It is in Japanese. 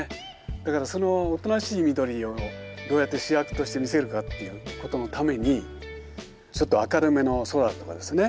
だからそのおとなしい緑をどうやって主役として見せるかっていうことのためにちょっと明るめの空とかですね